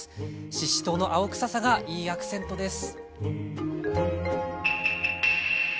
ししとうの青臭さがいいアクセントです。